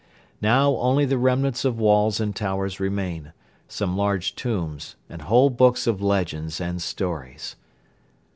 Now only the remnants of walls and towers remain, some large tombs and whole books of legends and stories.